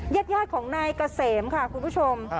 ญาติของนายเกษมค่ะคุณผู้ชม